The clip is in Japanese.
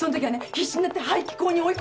必死になって排気口に追い込んだの。